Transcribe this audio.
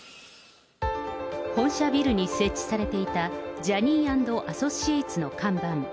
本社ビルに設置されていたジャニーアンドアソシエイツの看板。